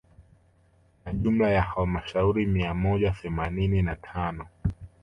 Na jumla ya halmashauri mia moja themanini na tano